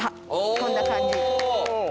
こんな感じおお！